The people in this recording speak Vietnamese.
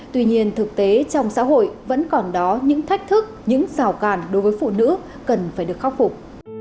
tuy nhiên thực tế trong xã hội vẫn còn đó những thách thức những rào cản đối với phụ nữ cần phải được khắc phục